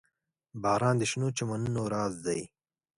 • باران د شنو چمنونو راز دی.